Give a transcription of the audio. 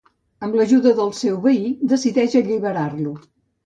Amb l'ajuda del seu veí, decideix alliberar-lo.